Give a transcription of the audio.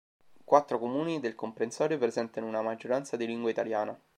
Quattro comuni del comprensorio presentano una maggioranza di lingua italiana.